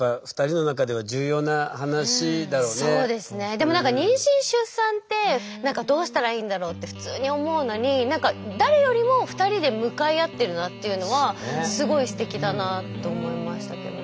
でも何か妊娠出産って何かどうしたらいいんだろうって普通に思うのに何か誰よりも２人で向かい合ってるなっていうのはすごいすてきだなあと思いましたけどね。